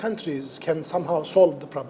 yang bisa menangani masalah ini